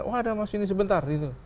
wah ada mas ini sebentar itu